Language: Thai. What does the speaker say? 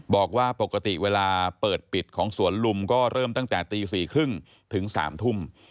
บอกว่าปกติเวลาเปิดปิดของสวนลุมก็เริ่มตั้งแต่ตี๔๓๐ถึง๓ทุ่ม